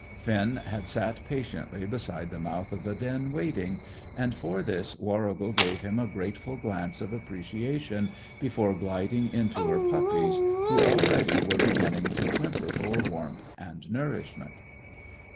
Finn had sat patiently beside the mouth of the den waiting, and for this Warrigal gave him a grateful glance of appreciation before gliding into her puppies, who already were beginning to whimper for warmth and nourishment.